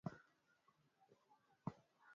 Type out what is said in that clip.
Mtumainie Bwana.